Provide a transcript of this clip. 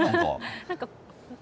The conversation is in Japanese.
なんか。